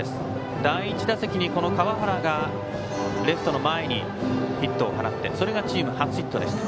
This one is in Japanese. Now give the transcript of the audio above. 第１打席に川原がレフト前にヒットを放ってそれがチーム初ヒットでした。